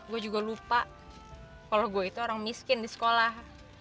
gue juga lupa kalau gue itu orang miskin di sekolah